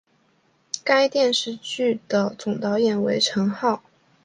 该电视剧的总导演为成浩。